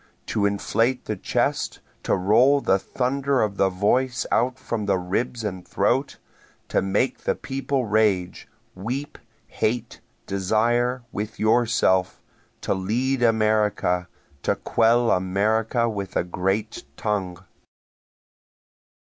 To inflate the chest, to roll the thunder of the voice out from the ribs and throat, To make the people rage, weep, hate, desire, with yourself, To lead America to quell America with a great tongue.